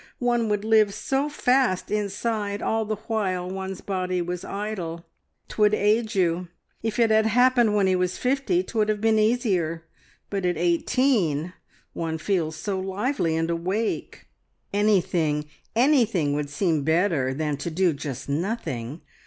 One would live so fast inside all the while one's body was idle. 'Twould age you. If it had happened when he was fifty, 'twould have been easier, but at eighteen one feels so lively and awake. Anything, anything would seem better than to do just nothing!